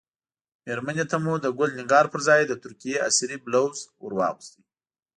مېرمنې ته مو د ګل نګار پر ځای د ترکیې عصري بلوز ور اغوستی.